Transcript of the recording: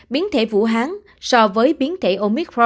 biến thể vũ hán so với biến thể omicron